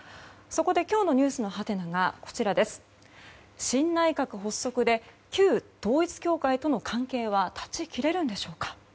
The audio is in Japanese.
そこで今日のｎｅｗｓのハテナが新内閣発足で旧統一教会との関係は断ち切れるのでしょうか。